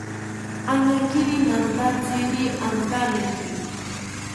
Añakiri nantatziri antamiki